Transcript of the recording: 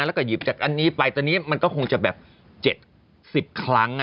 แล้วก็หยิบจากอันนี้ไปตอนนี้มันก็คงจะแบบ๗๐ครั้ง